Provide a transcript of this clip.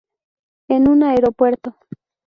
En un aeropuerto.